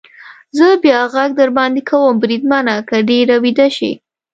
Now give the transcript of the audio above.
زه بیا غږ در باندې کوم، بریدمنه، که ډېر ویده شې.